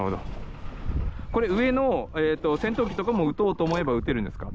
これ、上の戦闘機とかも撃とうと思えば撃てるんですか？